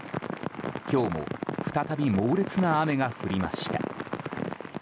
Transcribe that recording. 今日も再び猛烈な雨が降りました。